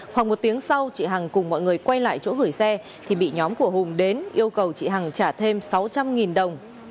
khoảng một tiếng sau chị hằng cùng mọi người quay lại chỗ gửi xe thì bị nhóm của hùng đến yêu cầu chị hằng trả thêm sáu trăm linh đồng